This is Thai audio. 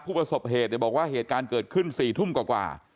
ประสบเหตุบอกว่าเหตุการณ์เกิดขึ้น๔ทุ่มกว่า